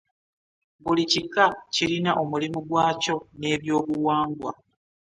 Buli kika kirina omulimu gwakyo n'ebyobuwangwa.